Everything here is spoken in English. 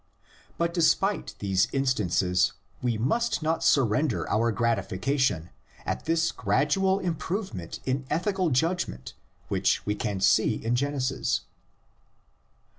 But despite these instances we must not surrender our gratifica tion at this gradual improvement in ethical judg ment which we can see in Genesis.